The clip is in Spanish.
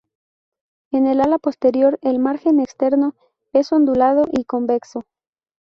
El en ala posterior el margen externo es ondulado y convexo.